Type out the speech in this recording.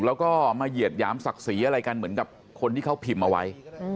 แล้วก็มาเหยียดหยามศักดิ์ศรีอะไรกันเหมือนกับคนที่เขาพิมพ์เอาไว้